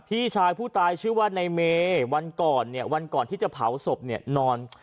พี่ชายผู้ตายชื่อว่าในเมวันก่อนที่จะเผาศพนอน